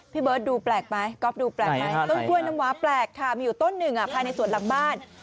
เบิร์ตดูแปลกไหมก๊อฟดูแปลกไหมต้นกล้วยน้ำว้าแปลกค่ะมีอยู่ต้นหนึ่งภายในสวนหลังบ้าน